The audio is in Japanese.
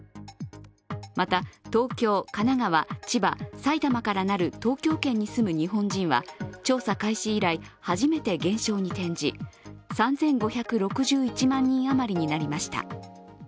また、東京、神奈川、千葉、埼玉からなる東京圏に住む日本人は調査開始以来、初めて減少に転じ、３５６１万人あまりになりました。